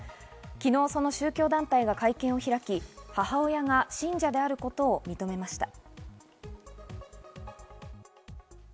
昨日、その宗教団体が会見を開き、母親が信者であることを認めました。